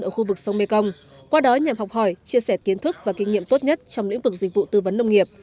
ở khu vực sông mekong qua đó nhằm học hỏi chia sẻ kiến thức và kinh nghiệm tốt nhất trong lĩnh vực dịch vụ tư vấn nông nghiệp